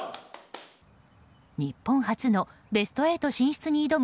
日本発のベスト８進出に挑む